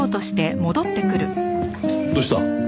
どうした？